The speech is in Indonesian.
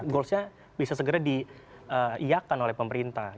goals nya bisa segera diiyakan oleh pemerintah